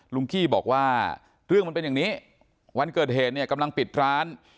กี้บอกว่าเรื่องมันเป็นอย่างนี้วันเกิดเหตุเนี่ยกำลังปิดร้าน